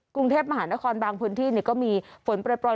กรุงเทพมหานครบางพื้นที่ก็มีฝนปล่อย